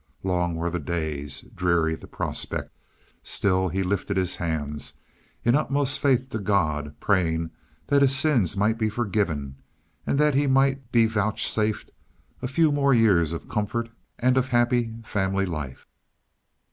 Long were the days, dreary the prospect. Still he lifted his hands in utmost faith to God, praying that his sins might be forgiven and that he might be vouchsafed a few more years of comfort and of happy family life.